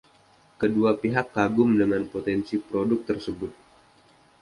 Kedua pihak kagum dengan potensi produk tersebut.